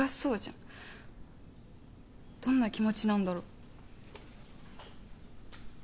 どんな気持ちなんだろ。